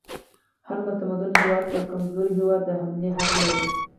هر متمدن هیواد پر کمزوري هیواد د حملې حق لري.